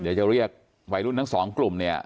เดี๋ยวจะเรียกวัยรุ่นทั้งสองกลุ่มเนี่ย